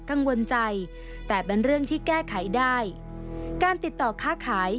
กังวลใจแต่เป็นเรื่องที่แก้ไขได้การติดต่อค่าขาย